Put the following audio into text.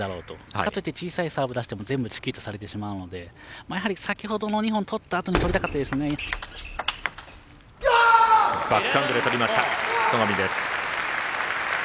かといって小さいサーブを出してもチキータされてしまうのでやはり先ほどの２本取ったあとにバックハンドで取りました、戸上。